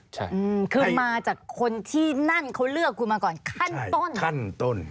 แถมมาจากคนที่นั่นเขาเลือกคุณมาก่อนขั้นต้น